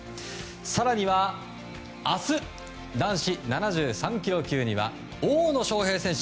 更には、明日男子７３ｋｇ級には大野将平選手。